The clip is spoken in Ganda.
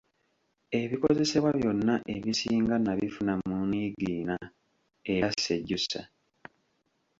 Ebikozesebwa byonna ebisinga nnabifuna mu Niigiina, era ssejjusa.’’